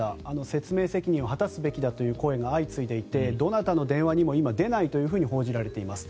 説明責任を果たすべきだという声が相次いでいてどなたの電話にも今、出ないと報じられています。